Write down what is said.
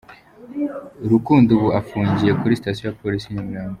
Rukundo ubu afungiwe kuri Station ya Polisi y’i Nyamirambo.